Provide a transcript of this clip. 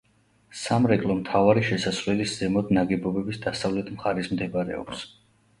სამრეკლო მთავარი შესასვლელის ზემოთ, ნაგებობის დასავლეთ მხარეს მდებარეობს.